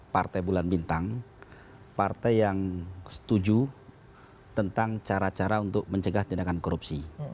partai bulan bintang partai yang setuju tentang cara cara untuk mencegah tindakan korupsi